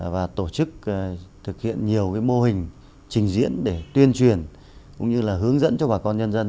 và tổ chức thực hiện nhiều mô hình trình diễn để tuyên truyền cũng như là hướng dẫn cho bà con nhân dân